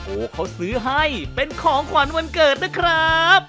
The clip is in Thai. โอ้โหเขาซื้อให้เป็นของขวัญวันเกิดนะครับ